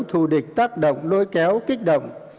thù địch tác động lôi kéo kích động